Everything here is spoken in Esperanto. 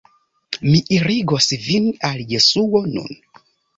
"Mi irigos vin al Jesuo nun."